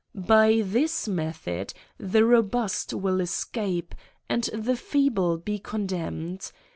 By this method the robust will escape , and the feeble be condemned.